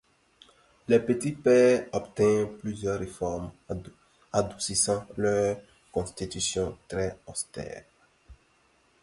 Les Petits Pères obtinrent plusieurs réformes adoucissant leurs constitutions très austères.